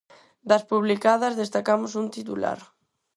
Das publicadas, destacamos un titular.